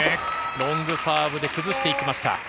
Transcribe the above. ロングサーブで崩していきました。